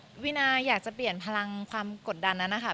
ก็วินาอยากจะเปลี่ยนพลังกดดันน่ะนะคะ